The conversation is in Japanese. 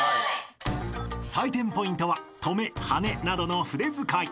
［採点ポイントはトメハネなどの筆遣い］